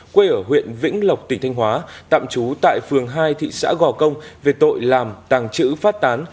quê ở huyện vĩnh lộc tỉnh thanh hóa tạm trú tại phường hai thị xã gò công về tội làm tàng trữ phát tán